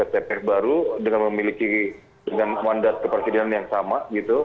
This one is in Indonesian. tps baru dengan memiliki dengan mandat kepresidenan yang sama gitu